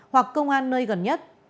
hoặc công an nơi gần nhất